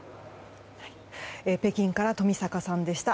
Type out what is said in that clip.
北京から冨坂さんでした。